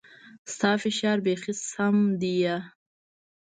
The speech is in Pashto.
ستا فشار بيخي سم ديه.